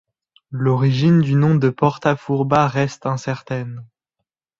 L'origine du nom de Porta Furba reste incertaine.